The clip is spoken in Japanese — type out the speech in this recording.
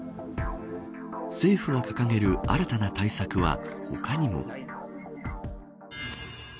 政府が掲げる新たな対策は他にも。